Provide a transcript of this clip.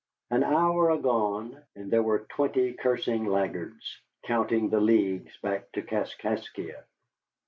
An hour agone, and there were twenty cursing laggards, counting the leagues back to Kaskaskia.